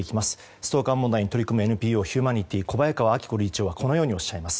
ストーカー問題に取り組むＮＰＯ、ヒューマニティ小早川明子理事長はこのようにおっしゃいます。